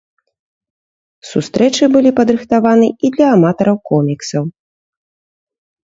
Сустрэчы былі падрыхтаваны і для аматараў коміксаў.